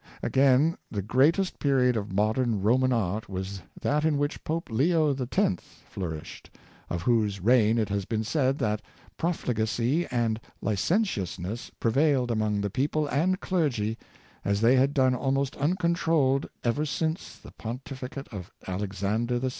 Again, the greatest period of modern Roman art was that in which Pope Leo X. flourished, of whose reign it has been said that " profligacy and licentiousness pre* vailed among the people and clergy, as they had done almost uncontrolled ever since the pontificate of Alex ander VI."